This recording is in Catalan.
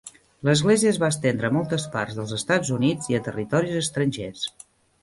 L'església es va estendre a moltes parts dels Estats Units i a territoris estrangers.